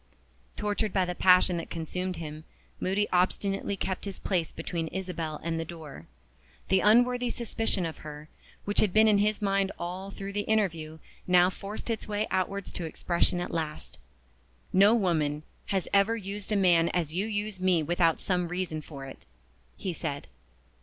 Tortured by the passion that consumed him, Moody obstinately kept his place between Isabel and the door. The unworthy suspicion of her, which had been in his mind all through the interview, now forced its way outwards to expression at last. "No woman ever used a man as you use me without some reason for it," he said.